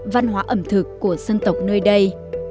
văn hóa ẩm thực của dân tộc nơi đây